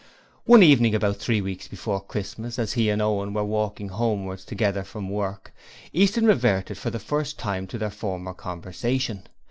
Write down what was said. One evening about three weeks before Christmas, as he and Owen were walking homewards together from work, Easton reverted for the first time to their former conversation.